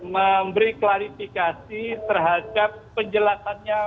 memberi klarifikasi terhadap penjelasannya